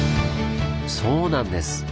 そうなんです！